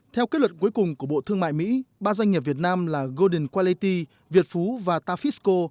theo kết luận cuối cùng của bộ thương mại mỹ ba doanh nghiệp việt nam là golden qualanti việt phú và tafisco